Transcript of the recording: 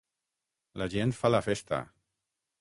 La gent fa la festa.